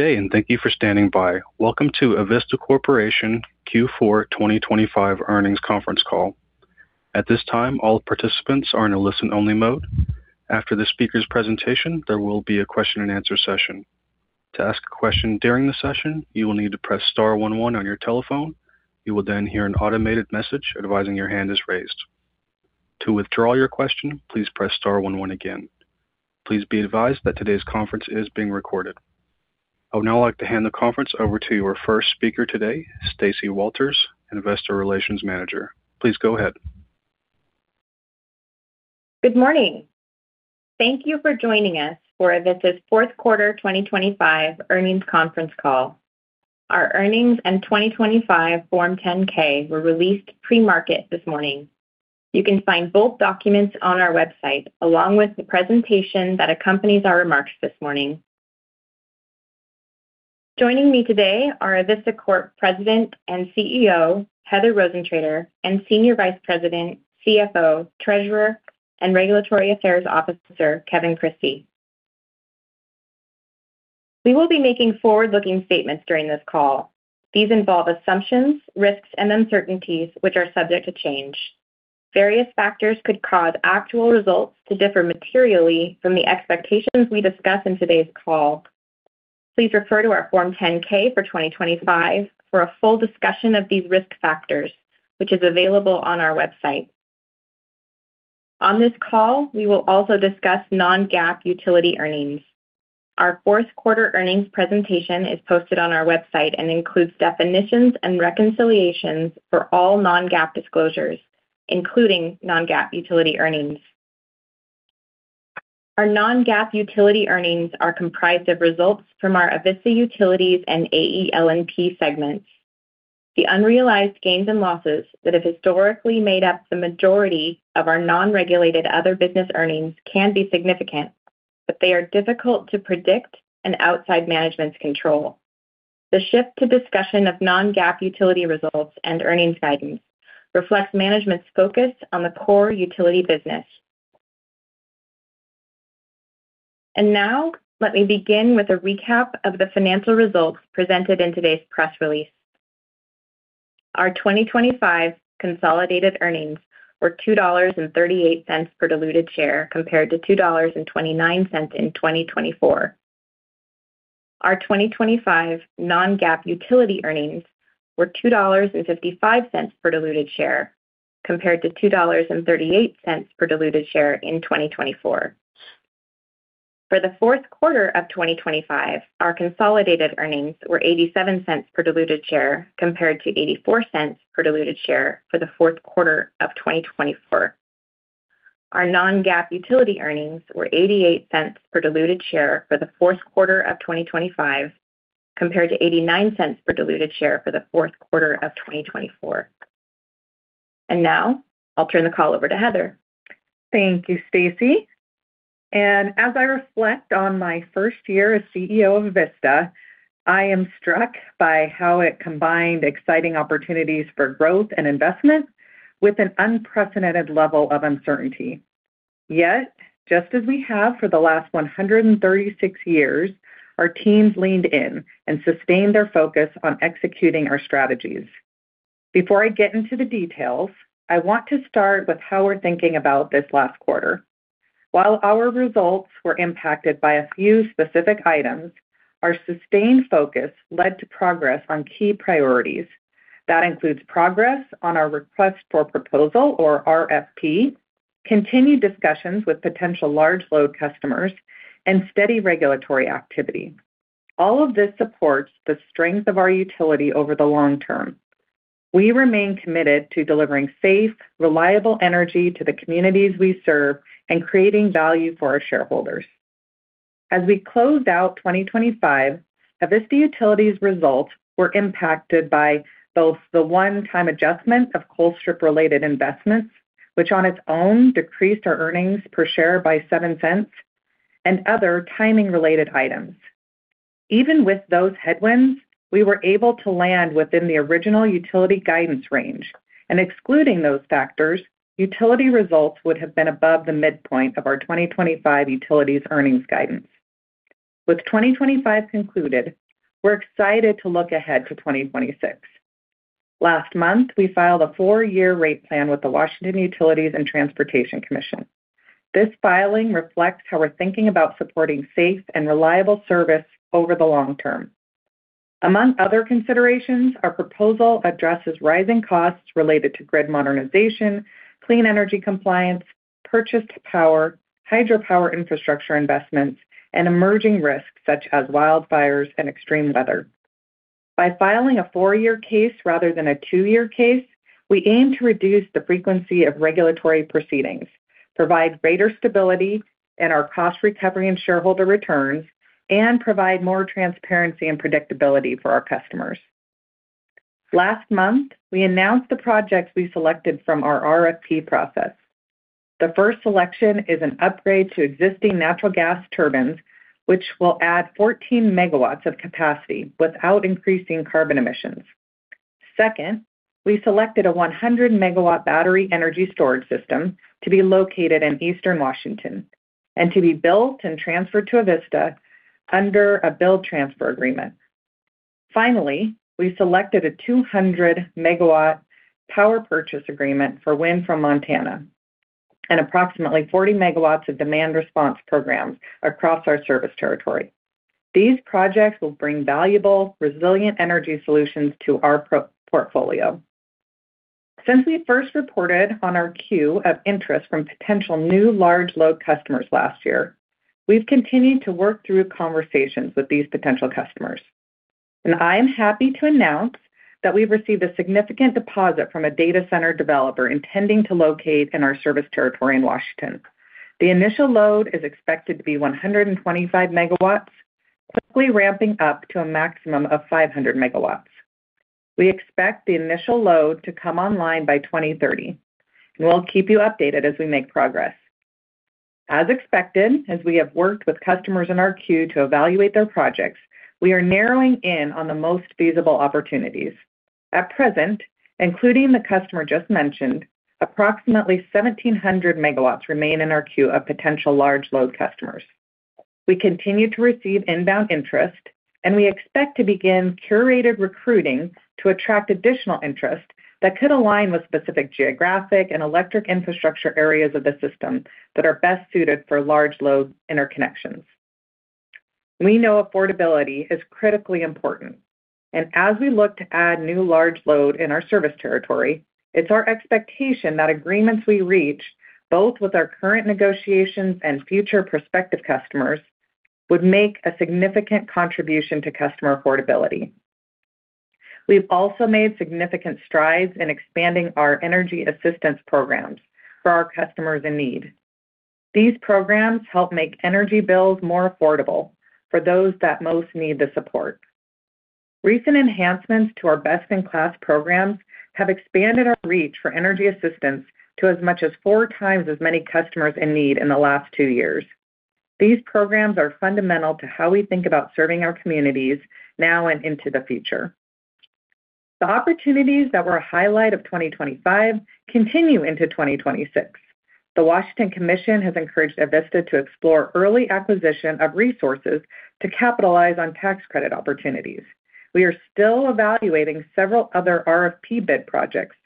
Good day, thank you for standing by. Welcome to Avista Corporation Q4 2025 Earnings Conference Call. At this time, all participants are in a listen-only mode. After the speaker's presentation, there will be a question and answer session. To ask a question during the session, you will need to press star one one on your telephone. You will hear an automated message advising your hand is raised. To withdraw your question, please press star one one again. Please be advised that today's conference is being recorded. I would now like to hand the conference over to our first speaker today, Stacy Walters, Investor Relations Manager. Please go ahead. Good morning! Thank you for joining us for Avista's fourth quarter 2025 earnings conference call. Our earnings and 2025 Form 10-K were released pre-market this morning. You can find both documents on our website, along with the presentation that accompanies our remarks this morning. Joining me today are Avista Corp. President and CEO, Heather Rosentrater, and Senior Vice President, CFO, Treasurer, and Regulatory Affairs Officer, Kevin Christie. We will be making forward-looking statements during this call. These involve assumptions, risks, and uncertainties which are subject to change. Various factors could cause actual results to differ materially from the expectations we discuss in today's call. Please refer to our Form 10-K for 2025 for a full discussion of these risk factors, which is available on our website. On this call, we will also discuss non-GAAP utility earnings. Our fourth quarter earnings presentation is posted on our website and includes definitions and reconciliations for all non-GAAP disclosures, including non-GAAP utility earnings. Our non-GAAP utility earnings are comprised of results from our Avista Utilities and AEL&P segments. The unrealized gains and losses that have historically made up the majority of our non-regulated other business earnings can be significant, but they are difficult to predict and outside management's control. The shift to discussion of non-GAAP utility results and earnings guidance reflects management's focus on the core utility business. Now, let me begin with a recap of the financial results presented in today's press release. Our 2025 consolidated earnings were $2.38 per diluted share, compared to $2.29 in 2024. Our 2025 non-GAAP utility earnings were $2.55 per diluted share, compared to $2.38 per diluted share in 2024. For the fourth quarter of 2025, our consolidated earnings were $0.87 per diluted share, compared to $0.84 per diluted share for the fourth quarter of 2024. Our non-GAAP utility earnings were $0.88 per diluted share for the fourth quarter of 2025, compared to $0.89 per diluted share for the fourth quarter of 2024. Now, I'll turn the call over to Heather. Thank you, Stacy. As I reflect on my first year as CEO of Avista, I am struck by how it combined exciting opportunities for growth and investment with an unprecedented level of uncertainty. Just as we have for the last 136 years, our teams leaned in and sustained their focus on executing our strategies. Before I get into the details, I want to start with how we're thinking about this last quarter. While our results were impacted by a few specific items, our sustained focus led to progress on key priorities. That includes progress on our request for proposal or RFP, continued discussions with potential large load customers, and steady regulatory activity. All of this supports the strength of our utility over the long term. We remain committed to delivering safe, reliable energy to the communities we serve and creating value for our shareholders. As we closed out 2025, Avista Utilities results were impacted by both the one-time adjustment of Colstrip-related investments, which on its own decreased our earnings per share by $0.07 and other timing-related items. Even with those headwinds, we were able to land within the original utility guidance range, and excluding those factors, utility results would have been above the midpoint of our 2025 utilities earnings guidance. With 2025 concluded, we're excited to look ahead to 2026. Last month, we filed a four-year rate plan with the Washington Utilities and Transportation Commission. This filing reflects how we're thinking about supporting safe and reliable service over the long term. Among other considerations, our proposal addresses rising costs related to grid modernization, clean energy compliance, purchased power, hydropower infrastructure investments, and emerging risks such as wildfires and extreme weather. By filing a four-year case rather than a two-year case, we aim to reduce the frequency of regulatory proceedings, provide greater stability in our cost recovery and shareholder returns, and provide more transparency and predictability for our customers. Last month, we announced the projects we selected from our RFP process. The first selection is an upgrade to existing natural gas turbines, which will add 14 MW of capacity without increasing carbon emissions. Second, we selected a 100 MW battery energy storage system to be located in eastern Washington, and to be built and transferred to Avista under a build-transfer agreement. Finally, we selected a 200 MW power purchase agreement for wind from Montana, and approximately 40 MW of demand response programs across our service territory. These projects will bring valuable, resilient energy solutions to our portfolio. Since we first reported on our queue of interest from potential new large load customers last year, we've continued to work through conversations with these potential customers. I am happy to announce that we've received a significant deposit from a data center developer intending to locate in our service territory in Washington. The initial load is expected to be 125 MW, quickly ramping up to a maximum of 500 MW. We expect the initial load to come online by 2030. We'll keep you updated as we make progress. As expected, as we have worked with customers in our queue to evaluate their projects, we are narrowing in on the most feasible opportunities. At present, including the customer just mentioned, approximately 1,700 MW remain in our queue of potential large load customers. We continue to receive inbound interest. We expect to begin curated recruiting to attract additional interest that could align with specific geographic and electric infrastructure areas of the system that are best suited for large load interconnections. We know affordability is critically important. As we look to add new large load in our service territory, it's our expectation that agreements we reach, both with our current negotiations and future prospective customers, would make a significant contribution to customer affordability. We've also made significant strides in expanding our energy assistance programs for our customers in need. These programs help make energy bills more affordable for those that most need the support. Recent enhancements to our best-in-class programs have expanded our reach for energy assistance to as much as four times as many customers in need in the last two years. These programs are fundamental to how we think about serving our communities now and into the future. The opportunities that were a highlight of 2025 continue into 2026. The Washington Commission has encouraged Avista to explore early acquisition of resources to capitalize on tax credit opportunities. We are still evaluating several other RFP bid projects,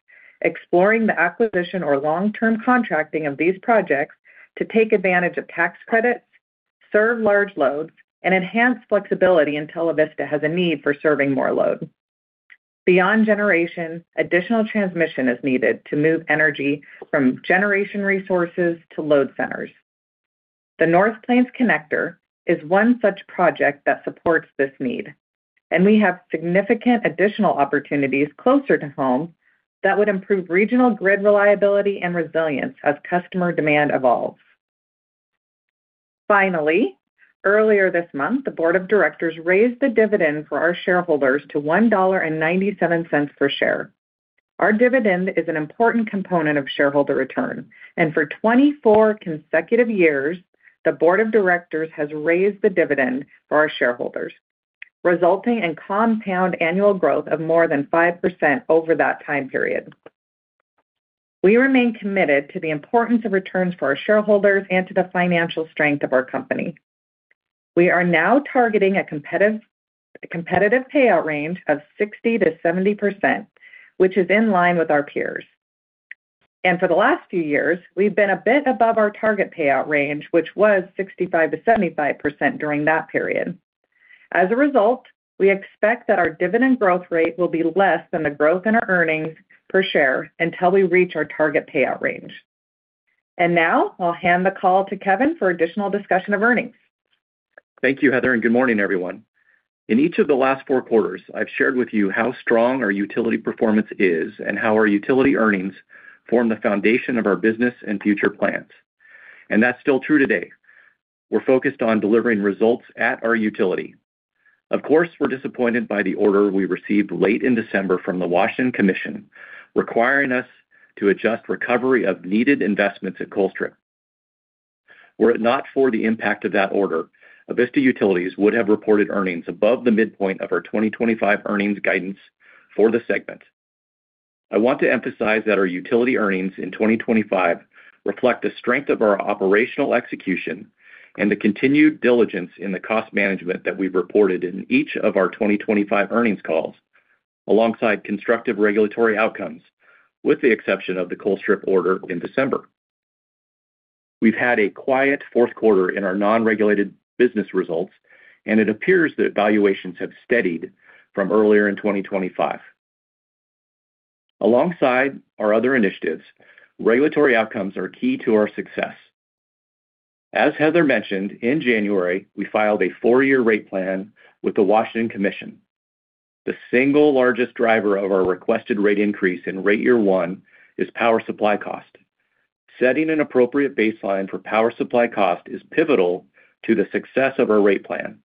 exploring the acquisition or long-term contracting of these projects to take advantage of tax credits, serve large loads, and enhance flexibility until Avista has a need for serving more load. Beyond generation, additional transmission is needed to move energy from generation resources to load centers. The North Plains Connector is one such project that supports this need, and we have significant additional opportunities closer to home that would improve regional grid reliability and resilience as customer demand evolves. Finally, earlier this month, the board of directors raised the dividend for our shareholders to $1.97 per share. Our dividend is an important component of shareholder return, for 24 consecutive years, the board of directors has raised the dividend for our shareholders, resulting in compound annual growth of more than 5% over that time period. We remain committed to the importance of returns for our shareholders and to the financial strength of our company. We are now targeting a competitive payout range of 60%-70%, which is in line with our peers. For the last few years, we've been a bit above our target payout range, which was 65%-75% during that period. As a result, we expect that our dividend growth rate will be less than the growth in our earnings per share until we reach our target payout range. Now I'll hand the call to Kevin for additional discussion of earnings. Thank you, Heather, good morning, everyone. In each of the last four quarters, I've shared with you how strong our utility performance is and how our utility earnings form the foundation of our business and future plans. That's still true today. We're focused on delivering results at our utility. Of course, we're disappointed by the order we received late in December from the Washington Commission, requiring us to adjust recovery of needed investments at Colstrip. Were it not for the impact of that order, Avista Utilities would have reported earnings above the midpoint of our 2025 earnings guidance for the segment. I want to emphasize that our utility earnings in 2025 reflect the strength of our operational execution and the continued diligence in the cost management that we've reported in each of our 2025 earnings calls, alongside constructive regulatory outcomes, with the exception of the Colstrip order in December. We've had a quiet fourth quarter in our non-regulated business results. It appears that valuations have steadied from earlier in 2025. Alongside our other initiatives, regulatory outcomes are key to our success. As Heather mentioned, in January, we filed a four-year rate plan with the Washington Commission. The single largest driver of our requested rate increase in rate year one is power supply cost. Setting an appropriate baseline for power supply cost is pivotal to the success of our rate plan.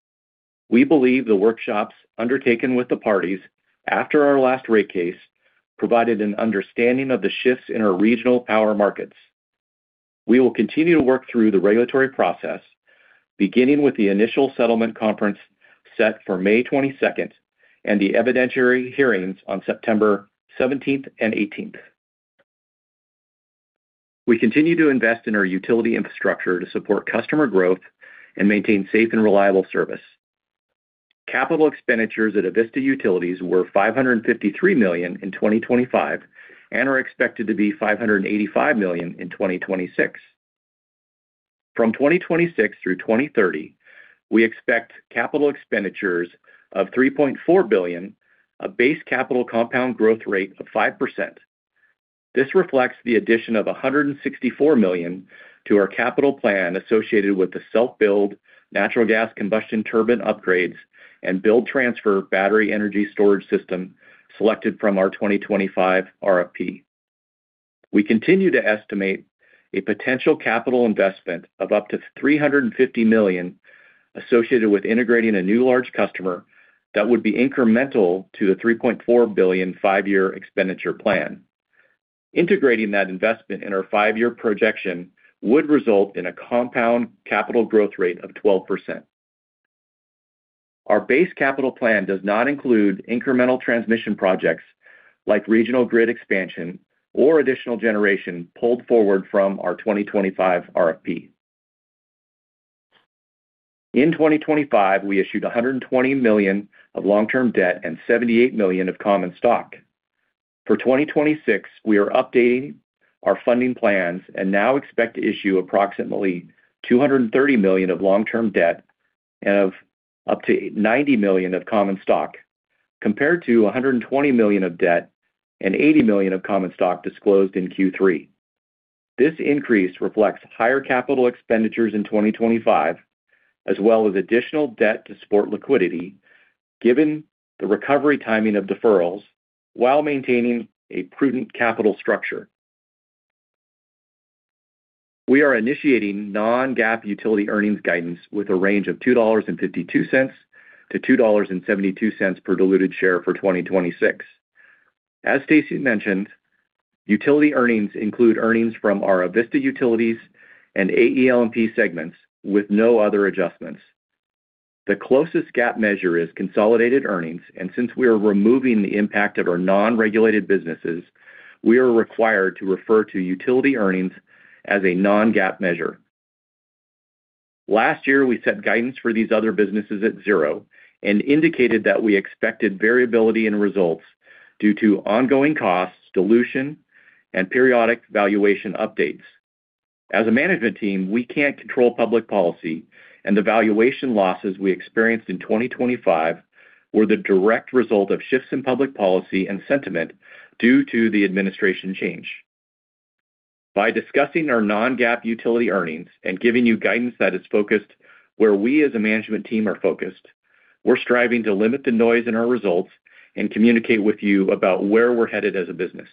We believe the workshops undertaken with the parties after our last rate case, provided an understanding of the shifts in our regional power markets. We will continue to work through the regulatory process, beginning with the initial settlement conference set for May 22nd, and the evidentiary hearings on September 17th and 18th. We continue to invest in our utility infrastructure to support customer growth and maintain safe and reliable service. Capital expenditures at Avista Utilities were $553 million in 2025 and are expected to be $585 million in 2026. From 2026 through 2030, we expect capital expenditures of $3.4 billion, a base capital compound growth rate of 5%. This reflects the addition of $164 million to our capital plan associated with the self-build natural gas combustion turbine upgrades and build-transfer battery energy storage system selected from our 2025 RFP. We continue to estimate a potential capital investment of up to $350 million associated with integrating a new large customer that would be incremental to the $3.4 billion five-year expenditure plan. Integrating that investment in our five-year projection would result in a compound capital growth rate of 12%. Our base capital plan does not include incremental transmission projects like regional grid expansion or additional generation pulled forward from our 2025 RFP. In 2025, we issued $120 million of long-term debt and $78 million of common stock. For 2026, we are updating our funding plans and now expect to issue approximately $230 million of long-term debt and of up to $90 million of common stock, compared to $120 million of debt and $80 million of common stock disclosed in Q3. This increase reflects higher capital expenditures in 2025, as well as additional debt to support liquidity, given the recovery timing of deferrals while maintaining a prudent capital structure. We are initiating non-GAAP utility earnings guidance with a range of $2.52-$2.72 per diluted share for 2026. As Stacy mentioned, utility earnings include earnings from our Avista Utilities and AEL&P segments with no other adjustments. The closest GAAP measure is consolidated earnings, and since we are removing the impact of our non-regulated businesses, we are required to refer to utility earnings as a non-GAAP measure. Last year, we set guidance for these other businesses at zero and indicated that we expected variability in results due to ongoing costs, dilution, and periodic valuation updates. As a management team, we can't control public policy, and the valuation losses we experienced in 2025 were the direct result of shifts in public policy and sentiment due to the administration change. By discussing our non-GAAP utility earnings and giving you guidance that is focused where we as a management team are focused, we're striving to limit the noise in our results and communicate with you about where we're headed as a business.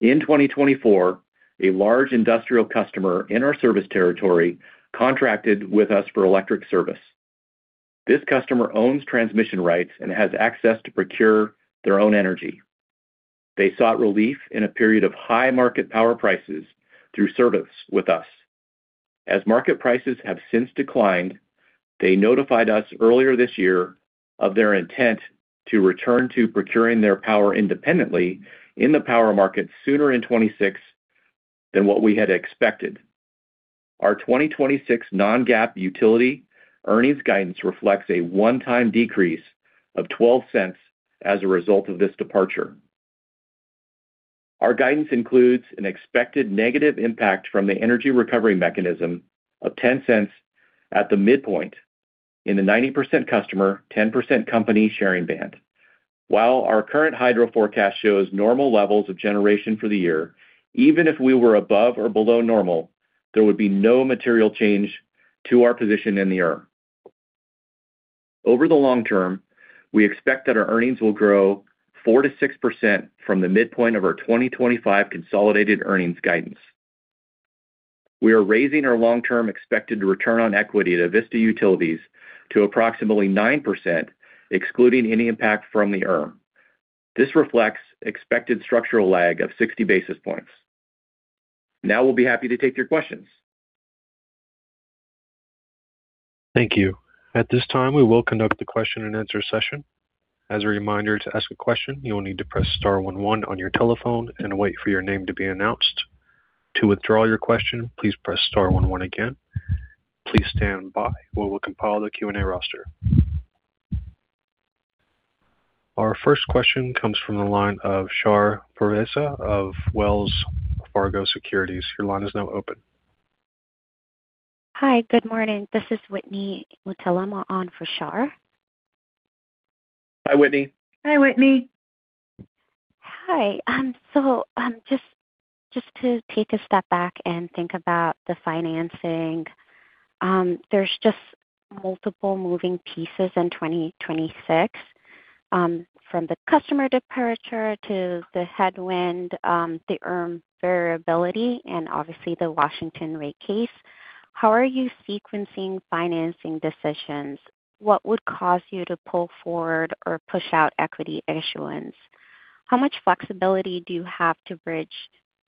In 2024, a large industrial customer in our service territory contracted with us for electric service. This customer owns transmission rights and has access to procure their own energy. They sought relief in a period of high market power prices through service with us. Market prices have since declined, they notified us earlier this year of their intent to return to procuring their power independently in the power market sooner in 2026 than what we had expected. Our 2026 non-GAAP utility earnings guidance reflects a one-time decrease of $0.12 as a result of this departure. Our guidance includes an expected negative impact from the Energy Recovery Mechanism of $0.10 at the midpoint in the 90% customer, 10% company sharing band. Our current hydro forecast shows normal levels of generation for the year, even if we were above or below normal, there would be no material change to our position in the ERM. Over the long term, we expect that our earnings will grow 4%-6% from the midpoint of our 2025 consolidated earnings guidance. We are raising our long-term expected return on equity at Avista Utilities to approximately 9%, excluding any impact from the ERM. This reflects expected structural lag of 60 basis points. We'll be happy to take your questions. Thank you. At this time, we will conduct the question-and-answer session. As a reminder, to ask a question, you will need to press star one one on your telephone and wait for your name to be announced. To withdraw your question, please press star one one again. Please stand by, we will compile the Q&A roster. Our first question comes from the line of Shar Pourreza of Wells Fargo Securities. Your line is now open. Hi, good morning. This is Whitney Mutalemwa on for Shar. Hi, Whitney. Hi, Whitney. Hi, just to take a step back and think about the financing, there's just multiple moving pieces in 2026 from the customer departure to the headwind, the ERM variability, and obviously the Washington rate case. How are you sequencing financing decisions? What would cause you to pull forward or push out equity issuance? How much flexibility do you have to bridge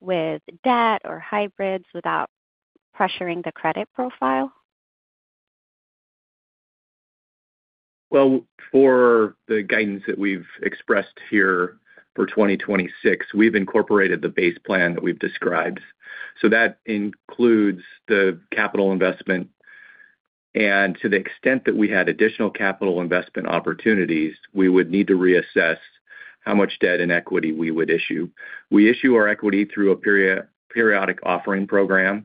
with debt or hybrids without pressuring the credit profile? For the guidance that we've expressed here for 2026, we've incorporated the base plan that we've described. That includes the capital investment, and to the extent that we had additional capital investment opportunities, we would need to reassess how much debt and equity we would issue. We issue our equity through a periodic offering program,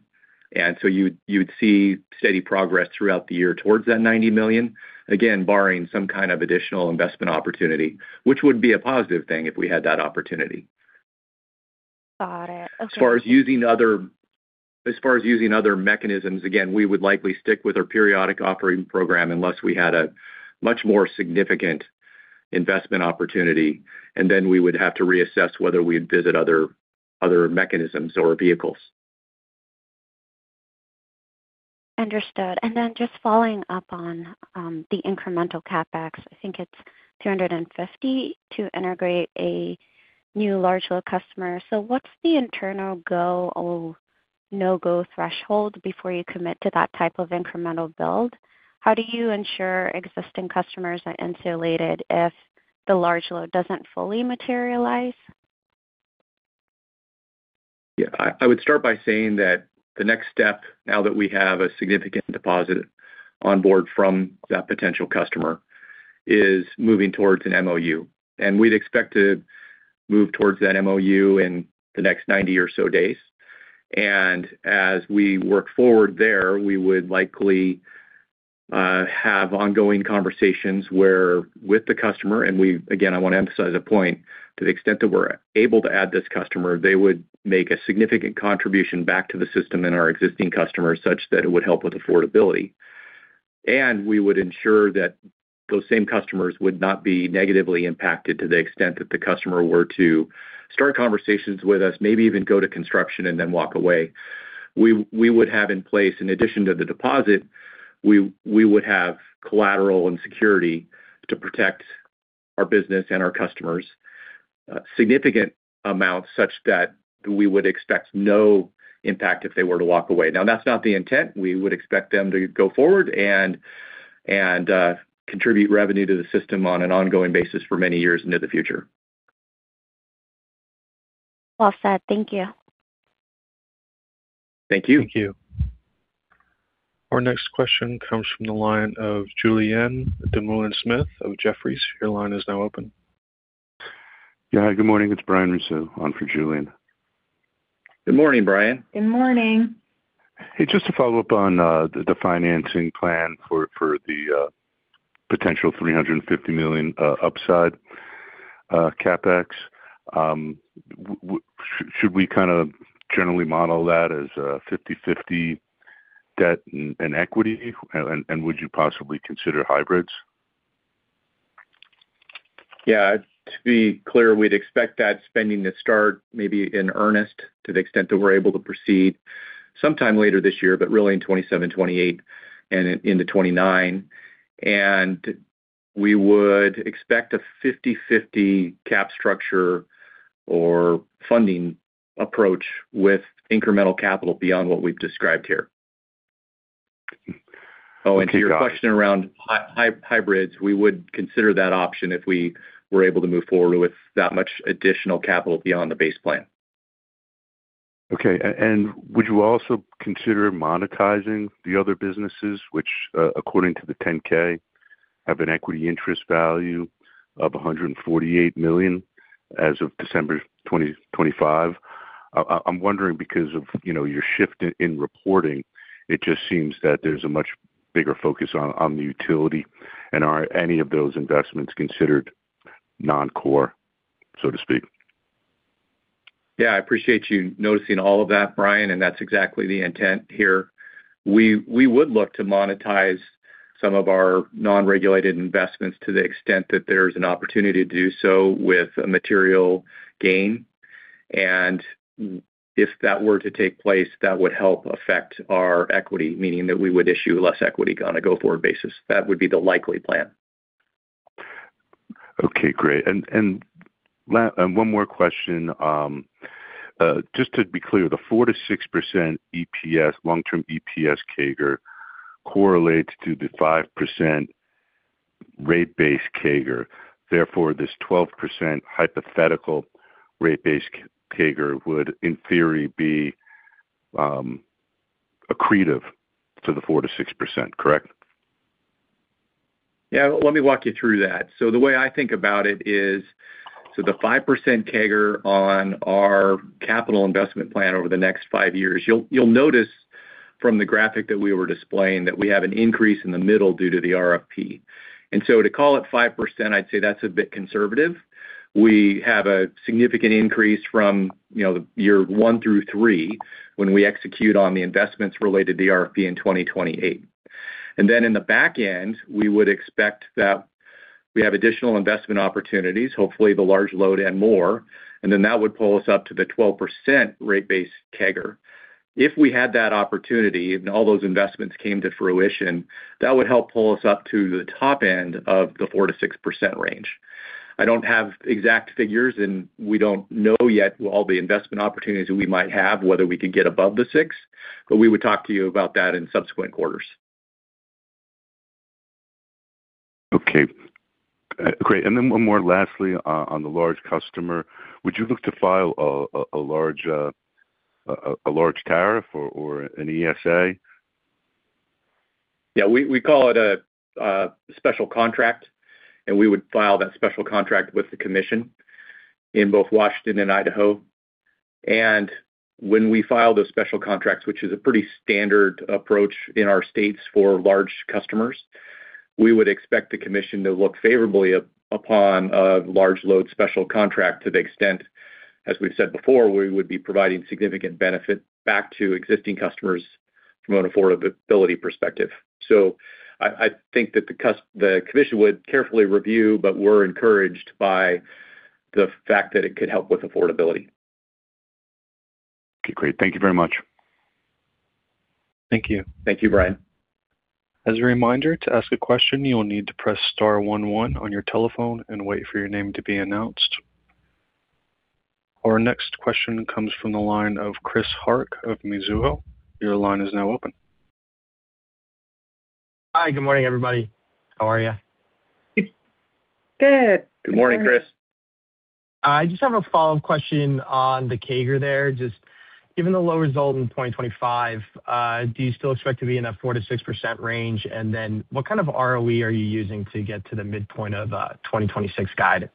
you would see steady progress throughout the year towards that $90 million, again, barring some kind of additional investment opportunity, which would be a positive thing if we had that opportunity. Got it. Okay. As far as using other mechanisms, again, we would likely stick with our periodic offering program unless we had a much more significant investment opportunity, and then we would have to reassess whether we'd visit other mechanisms or vehicles. Understood. Just following up on the incremental CapEx, I think it's $250 to integrate a new large load customer. What's the internal go or no-go threshold before you commit to that type of incremental build? How do you ensure existing customers are insulated if the large load doesn't fully materialize? I would start by saying that the next step, now that we have a significant deposit on board from that potential customer, is moving towards an MOU, and we'd expect to move towards that MOU in the next 90 or so days. As we work forward there, we would likely have ongoing conversations with the customer, and we again, I want to emphasize a point, to the extent that we're able to add this customer, they would make a significant contribution back to the system and our existing customers, such that it would help with affordability. We would ensure that those same customers would not be negatively impacted to the extent that the customer were to start conversations with us, maybe even go to construction and then walk away. We would have in place, in addition to the deposit, we would have collateral and security to protect our business and our customers, significant amounts such that we would expect no impact if they were to walk away. That's not the intent. We would expect them to go forward and contribute revenue to the system on an ongoing basis for many years into the future. Well said. Thank you. Thank you. Thank you. Our next question comes from the line of Julien Dumoulin-Smith of Jefferies. Your line is now open. Yeah, good morning. It's Brian Russo on for Julianne. Good morning, Brian. Good morning. Hey, just to follow up on the financing plan for the potential $350 million upside CapEx, should we kind of generally model that as a 50/50 debt and equity? Would you possibly consider hybrids? Yeah, to be clear, we'd expect that spending to start maybe in earnest, to the extent that we're able to proceed sometime later this year, but really in 2027, 2028 and into 2029. We would expect a 50/50 cap structure or funding approach with incremental capital beyond what we've described here. Okay, got it. Oh, to your question around hybrids, we would consider that option if we were able to move forward with that much additional capital beyond the base plan. Okay. Would you also consider monetizing the other businesses, which, according to the 10-K, have an equity interest value of $148 million as of December 2025? I'm wondering because of, you know, your shift in reporting, it just seems that there's a much bigger focus on the utility, and are any of those investments considered non-core, so to speak? I appreciate you noticing all of that, Brian, and that's exactly the intent here. We would look to monetize some of our non-regulated investments to the extent that there's an opportunity to do so with a material gain. If that were to take place, that would help affect our equity, meaning that we would issue less equity on a go-forward basis. That would be the likely plan. Okay, great. One more question: Just to be clear, the 4%-6% EPS, long-term EPS CAGR correlates to the 5% rate base CAGR. Therefore, this 12% hypothetical rate base CAGR would, in theory, be accretive to the 4%-6%, correct? Yeah. Let me walk you through that. The way I think about it is, the 5% CAGR on our capital investment plan over the next five years, you'll notice from the graphic that we were displaying that we have an increase in the middle due to the RFP. To call it 5%, I'd say that's a bit conservative. We have a significant increase from, you know, year one through three when we execute on the investments related to the RFP in 2028. In the back end, we would expect that we have additional investment opportunities, hopefully the large load and more, and then that would pull us up to the 12% rate base CAGR. If we had that opportunity and all those investments came to fruition, that would help pull us up to the top end of the 4%-6% range. I don't have exact figures. We don't know yet all the investment opportunities that we might have, whether we could get above the 6%. We would talk to you about that in subsequent quarters. Okay, great. One more lastly, on the large customer, would you look to file a large tariff or an ESA? Yeah, we call it a special contract. We would file that special contract with the commission in both Washington and Idaho. When we file those special contracts, which is a pretty standard approach in our states for large customers, we would expect the commission to look favorably upon a large load special contract to the extent, as we've said before, we would be providing significant benefit back to existing customers from an affordability perspective. I think that the commission would carefully review, but we're encouraged by the fact that it could help with affordability. Okay, great. Thank you very much. Thank you. Thank you, Brian. As a reminder, to ask a question, you will need to press star one one on your telephone and wait for your name to be announced. Our next question comes from the line of Chris Hark of Mizuho. Your line is now open. Hi. Good morning, everybody. How are you? Good. Good morning, Chris. I just have a follow-up question on the CAGR there. Just given the low result in 2025, do you still expect to be in a 4%-6% range? What kind of ROE are you using to get to the midpoint of 2026 guidance?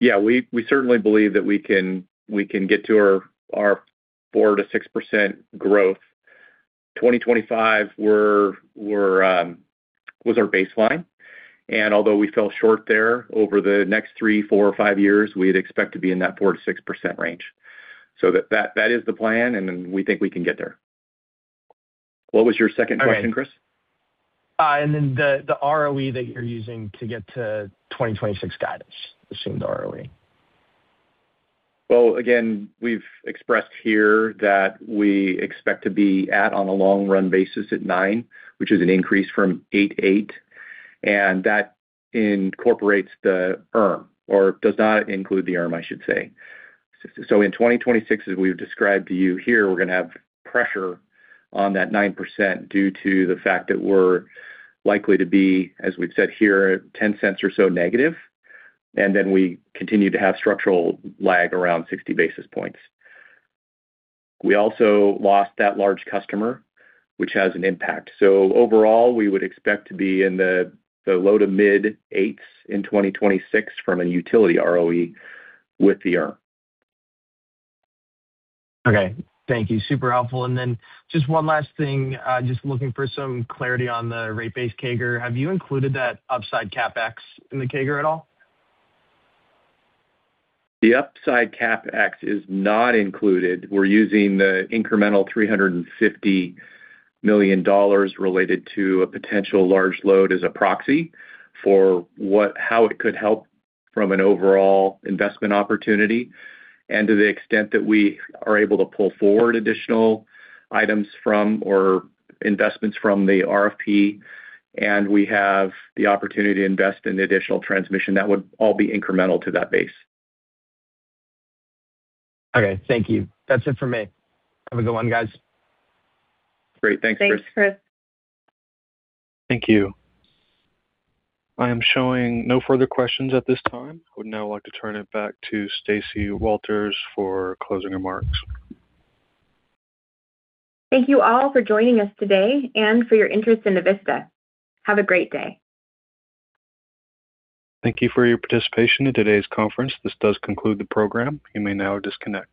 Yeah, we certainly believe that we can get to our 4%-6% growth. 2025 was our baseline, and although we fell short there, over the next three, four, or five years, we'd expect to be in that 4%-6% range. That is the plan, we think we can get there. What was your second question, Chris? The ROE that you're using to get to 2026 guidance, assumed ROE. Again, we've expressed here that we expect to be at, on a long run basis, at nine, which is an increase from eight eight, and that incorporates the ERM, or does not include the ERM, I should say. In 2026, as we've described to you here, we're going to have pressure on that 9% due to the fact that we're likely to be, as we've said here, $0.10 or so negative, and then we continue to have structural lag around 60 basis points. We also lost that large customer, which has an impact. Overall, we would expect to be in the low to mid 8s in 2026 from a utility ROE with the ERM. Okay, thank you. Super helpful. Just one last thing, just looking for some clarity on the rate-based CAGR. Have you included that upside CapEx in the CAGR at all? The upside CapEx is not included. We're using the incremental $350 million related to a potential large load as a proxy for how it could help from an overall investment opportunity. To the extent that we are able to pull forward additional items from, or investments from the RFP, and we have the opportunity to invest in additional transmission, that would all be incremental to that base. Okay, thank you. That's it for me. Have a good one, guys. Great. Thanks, Chris. Thanks, Chris. Thank you. I am showing no further questions at this time. I would now like to turn it back to Stacy Walters for closing remarks. Thank you all for joining us today and for your interest in Avista. Have a great day. Thank you for your participation in today's conference. This does conclude the program. You may now disconnect.